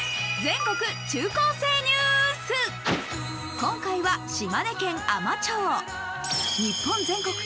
今回は島根県海士町。